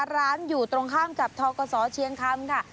ร้านอยู่ตรงข้ามกับทกศเชียงคำค่ะ